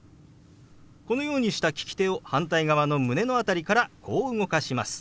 このようにした利き手を反対側の胸の辺りからこう動かします。